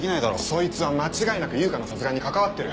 そいつは間違いなく悠香の殺害に関わってる。